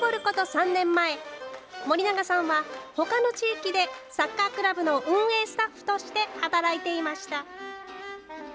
３年前、森永さんはほかの地域で、サッカークラブの運営スタッフとして働いていました。